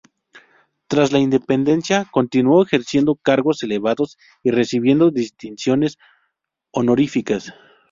Tras la independencia, continuó ejerciendo cargos elevados y recibiendo distinciones honoríficas.